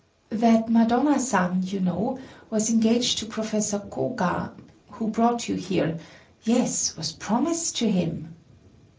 "That Madonna san, you know, was engaged to Professor Koga,—who brought you here,—yes, was promised to him."